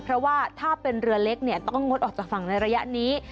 เพราะว่าถ้าเป็นเรือเล็กเนี่ยต้องงดออกจากฝั่งในระยะนี้